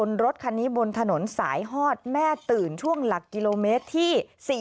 รถคันนี้บนถนนสายฮอดแม่ตื่นช่วงหลักกิโลเมตรที่๔๔